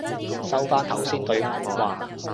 收返頭先句話